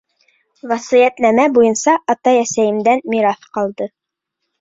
— Васыятнамә буйынса атай-әсәйемдән мираҫ ҡалды.